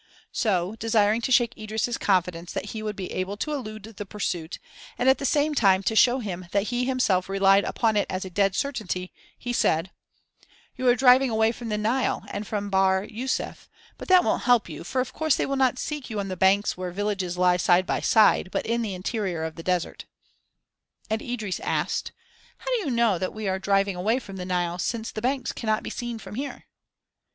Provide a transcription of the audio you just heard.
So, desiring to shake Idris' confidence that he would be able to elude the pursuit, and at the same time to show him that he himself relied upon it as a dead certainty, he said: "You are driving away from the Nile and from Bahr Yûsuf, but that won't help you, for of course they will not seek you on the banks where villages lie side by side, but in the interior of the desert." And Idris asked: "How do you know that we are driving away from the Nile, since the banks cannot be seen from here?"